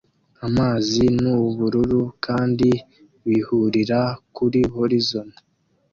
amazi nubururu kandi bihurira kuri horizon